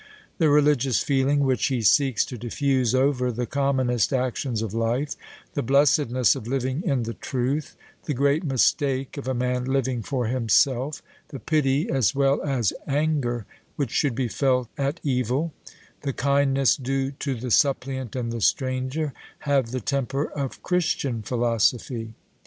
The religious feeling which he seeks to diffuse over the commonest actions of life, the blessedness of living in the truth, the great mistake of a man living for himself, the pity as well as anger which should be felt at evil, the kindness due to the suppliant and the stranger, have the temper of Christian philosophy.